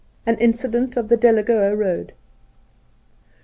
I AN INCIDENT OF THE DELAGOA ROAD.